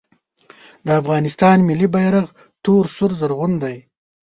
د افغانستان ملي بیرغ تور سور زرغون دی